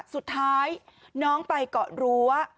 สุดท้ายน้องไปเกาะรั้ว